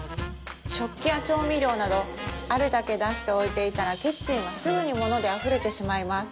食器や調味料などあるだけ出して置いていたらキッチンはすぐに物であふれてしまいます